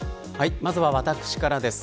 まずは私からです。